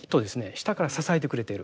下から支えてくれている。